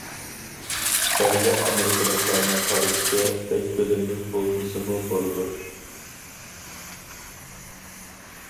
بەزى ئامېرىكىلىقلارنىڭ قارىشىچە، بەك بىلىملىك بولمىسىمۇ بولىدۇ.